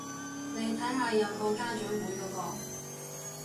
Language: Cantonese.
你睇下有個家長會嗰個